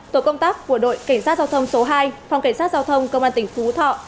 tổ công tác của đội cảnh sát giao thông số hai phòng cảnh sát giao thông công an tỉnh phú thọ